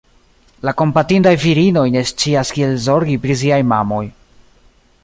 La kompatindaj virinoj ne scias kiel zorgi pri siaj mamoj.